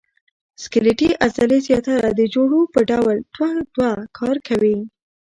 سکلیټي عضلې زیاتره د جوړو په ډول دوه دوه کار کوي.